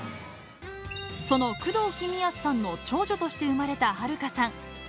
その工藤公康さんの長女として生まれた遥加さん。